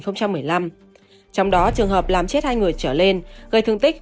trong đó trường hợp làm chết hai người trở lên gây thương tích